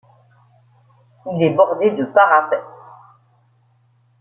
Il est bordé de parapets.